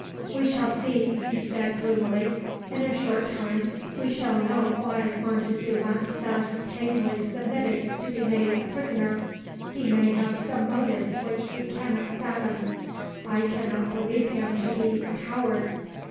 "We shall see," he said, gloomily. "In a short time we shall know why Montezuma thus tamely suhmitted to be made a prisoner. He may have some motives which we cannot fathom. I cannot believe him to be a coward.